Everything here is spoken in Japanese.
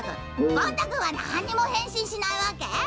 ゴン太くんはなんにもへんしんしないわけ？